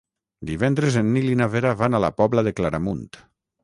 Divendres en Nil i na Vera van a la Pobla de Claramunt.